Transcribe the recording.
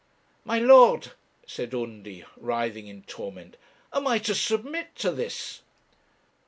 'My lord,' said Undy, writhing in torment, 'am I to submit to this?'